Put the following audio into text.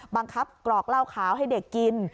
บังคับกรอกเหล้าขาวให้เด็กกิน